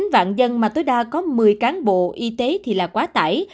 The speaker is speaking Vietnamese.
chín vạn dân mà tối đa có một mươi cán bộ y tế thì là quá tải